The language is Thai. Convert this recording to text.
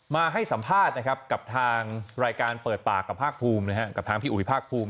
มาให้สัมภาษณ์นะครับกับทางรายการเปิดปากกับภาษฐภูมินะครับ